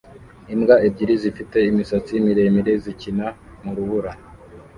Imbwa ebyiri zifite imisatsi miremire zikina mu rubura